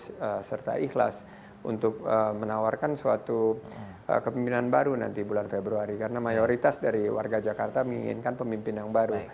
eee serta ikhlas untuk menawarkan suatu kepimpinan baru nanti bulan februari karena mayoritas dari warga jakarta menginginkan pemimpinan baru